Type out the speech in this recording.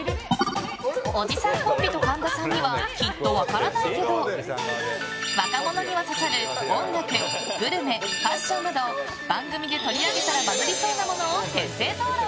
おじさんコンビと神田さんにはきっと分からないけど若者には刺さる音楽、グルメ、ファッションなど番組で取り上げたらバズりそうなものを徹底討論！